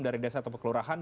dari desa atau pekelurahan